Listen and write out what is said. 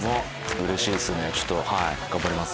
うれしいですね頑張ります。